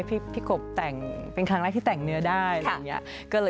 พี่กบแต่งเป็นครั้งแรกที่แต่งเนื้อได้อะไรอย่างนี้